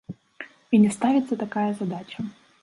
І не ставіцца такая задача.